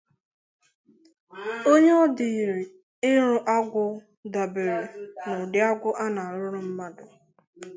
onye ọ dịịrị ịrụ agwụ dàbèèrè n'ụdị agwụ a na-arụrụ mmadụ